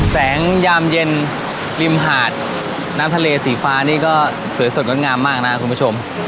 ยามเย็นริมหาดน้ำทะเลสีฟ้านี่ก็สวยสดงดงามมากนะครับคุณผู้ชม